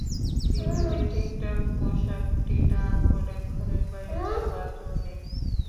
বিলেতে ঠিক ঠিক পোষাকটি না পরে ঘরের বাইরে যাবার যো নেই।